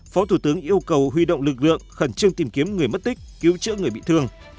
phó thủ tướng yêu cầu huy động lực lượng khẩn trương tìm kiếm người mất tích cứu chữa người bị thương